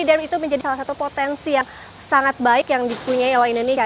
dan itu menjadi salah satu potensi yang sangat baik yang dipunyai oleh indonesia